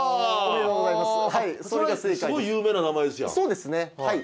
そうですねはい。